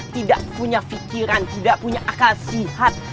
tidak punya fikiran tidak punya akal sihat